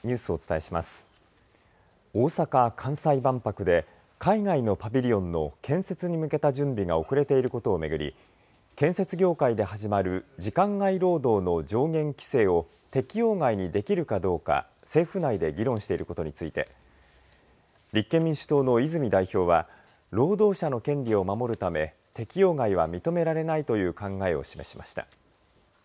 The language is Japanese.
大阪・関西万博で海外のパビリオンの建設に向けた準備が遅れていることを巡り建設業界で始まる時間外労働の上限規制を適用外にできるかどうか政府内で議論していることについて立憲民主党の泉代表は労働者の権利を守るため適用外は認められないという考えを示しました。